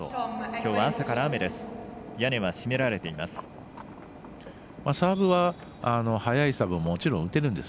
きょうは朝から雨です。